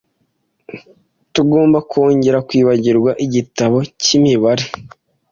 Ntugomba kongera kwibagirwa igitabo cyimibare.